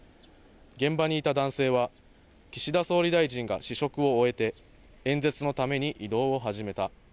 現場にいた男性は岸田総理大臣が試食を終えて演説のために移動を始めた。